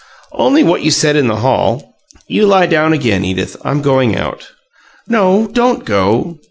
"Only what you said in the hall. You lie down again, Edith. I'm going out." "No; don't go."